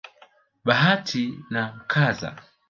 bahati na mkasa.